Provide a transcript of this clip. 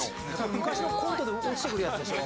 「昔のコントで落ちてくるやつでしょ？